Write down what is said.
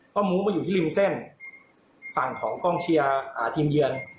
ก็มุ้งไปอยู่ที่ริมเส้นฝั่งของกองเชียร์ทีมเยือน